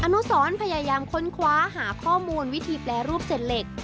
นุสรพยายามค้นคว้าหาข้อมูลวิธีแปรรูปเจ็ดเหล็ก